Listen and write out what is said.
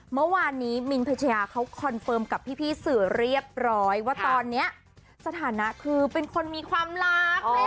เมื่อวานนี้มินพัชยาเขาคอนเฟิร์มกับพี่สื่อเรียบร้อยว่าตอนนี้สถานะคือเป็นคนมีความรัก